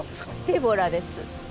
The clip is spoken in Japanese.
デボラです